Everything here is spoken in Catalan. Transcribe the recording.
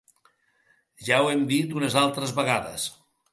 Ja ho hem dit unes altres vegades.